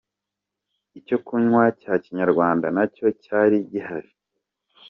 Icyo kunywa cya kinyarwanda nacyo cyari gihari.